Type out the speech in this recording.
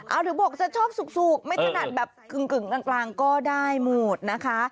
เอาถึงบอกจะชอบสุกไม่ถนัดแบบกึ่งกลางก็ได้หมดนะคะ